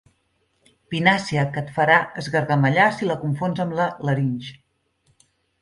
Pinàcia que et farà esgargamellar si la confons amb la larinx.